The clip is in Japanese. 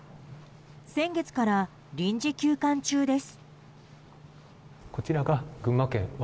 先月から臨時休館中です。